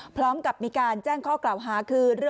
พร้อมกับมีการแจ้งข้อกล่าวหาคือ